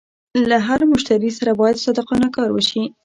له هر مشتري سره باید صادقانه کار وشي.